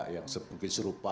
yang mungkin serupa